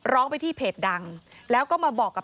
ร้องไปที่เพจดังแล้วก็มาบอกกับ